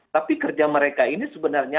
tapi kerja mereka ini sebenarnya